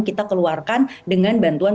kita keluarkan dengan bantuan